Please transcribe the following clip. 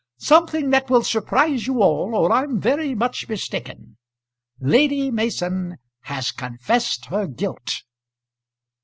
"Something that will surprise you all, or I'm very much mistaken. Lady Mason has confessed her guilt."